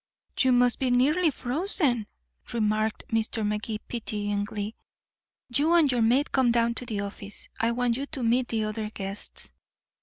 "You must be nearly frozen," remarked Mr. Magee pityingly. "You and your maid come down to the office. I want you to meet the other guests."